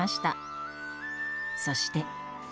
そして。